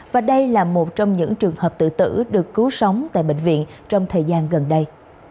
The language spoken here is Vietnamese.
và đây là một trong những trường hợp tử tử được cứu sống tại bệnh viện trong thời gian gần đây